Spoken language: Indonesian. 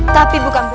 tapi bukan ber